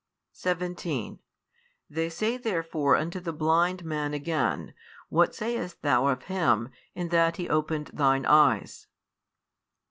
17 They say therefore unto the blind man again, What sayest thou of Him, in that He opened thine eyes?